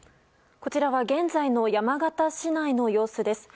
こちらは現在の山形市内の様子です。